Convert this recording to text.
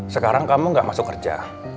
sekarang kamu gak masuk kerja